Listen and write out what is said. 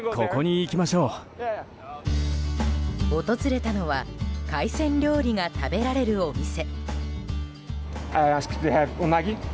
訪れたのは海鮮料理が食べられるお店。